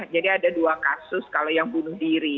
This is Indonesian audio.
jadi ada dua kasus kalau yang bunuh diri